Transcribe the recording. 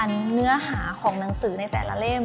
บางทีการเราเอาอารมณ์ของเราไปใส่ในเนื้อเรื่องมากเกินไป